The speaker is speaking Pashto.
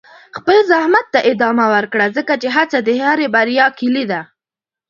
خپل زحمت ته ادامه ورکړه، ځکه چې هڅه د هرې بریا کلي ده.